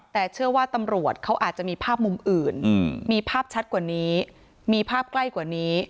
แต่เชื่อว่าตำรวจเขาอาจจะมีภาพมุมอื่นมีภาพชัดกว่านี้มีภาพใกล้กว่านี้